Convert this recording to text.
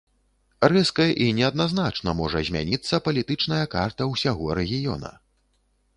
Рэзка і неадназначна можа змяніцца палітычная карта ўсяго рэгіёна.